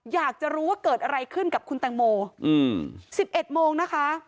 อยากจะรู้ว่าเกิดอะไรขึ้นกับคุณแตงโม๑๑โมงนะคะ